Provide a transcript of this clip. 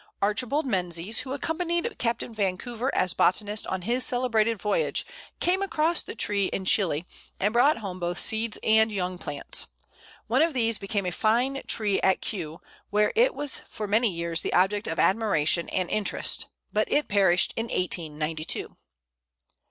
Archibald Menzies, who accompanied Captain Vancouver as botanist on his celebrated voyage, came across the tree in Chili, and brought home both seeds and young plants. One of these became a fine tree at Kew, where it was for many years the object of admiration and interest, but it perished in 1892. [Illustration: Pl. 175. Chili Pine.